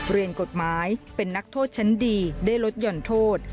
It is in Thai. เรียนกฎหมายเป็นนักโทษชั้นดีได้ลดหย่อนโทษ